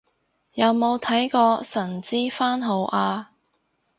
有冇睇過神之番號啊